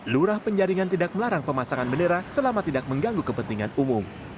lurah penjaringan tidak melarang pemasangan bendera selama tidak mengganggu kepentingan umum